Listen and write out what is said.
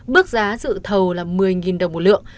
bước giá dự thầu là một mươi đồng một lượng